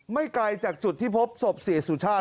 ไกลจากจุดที่พบศพเสียสุชาติ